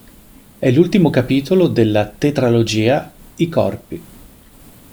È l'ultimo capitolo della tetralogia "I Corpi".